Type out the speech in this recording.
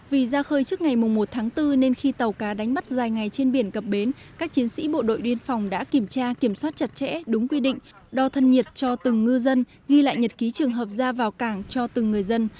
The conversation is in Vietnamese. vì ra khơi trước ngày một tháng bốn nên khi tàu cá đánh bắt dài ngày trên biển cập bến các chiến sĩ bộ đội biên phòng đã kiểm tra kiểm soát chặt chẽ đúng quy định đo thân nhiệt cho từng ngư dân ghi lại nhật ký trường hợp ra vào cảng cho từng người dân